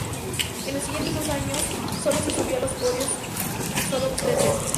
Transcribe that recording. En los siguientes dos años solo se subió a los podios solo tres veces.